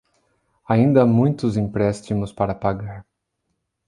Ainda há muitos empréstimos para pagar.